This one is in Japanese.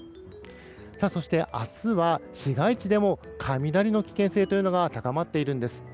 そして、明日は市街地でも雷の危険性が高まっているんです。